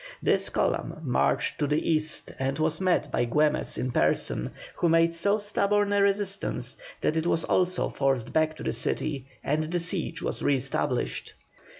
This column marched to the east and was met by Güemes in person, who made so stubborn a resistance that it was also forced back to the city, and the siege was re established.